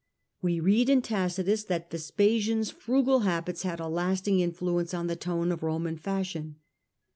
We read in Tacitus that Vespasian's frugal habits had a lasting influence on the tone ot Roman fashion.